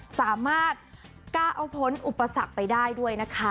สามารถกล้าเอาผลอุปสรรคไปได้ด้วยนะคะ